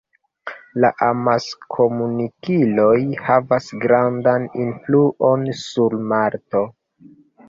La amaskomunikiloj havas grandan influon sur Malto.